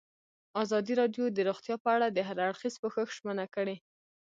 ازادي راډیو د روغتیا په اړه د هر اړخیز پوښښ ژمنه کړې.